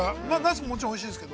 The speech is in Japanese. もちろんおいしいですけど。